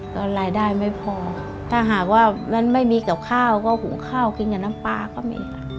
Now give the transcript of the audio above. ก็รายได้ไม่พอถ้าหากว่ามันไม่มีกับข้าวก็หุงข้าวกินกับน้ำปลาก็มีค่ะ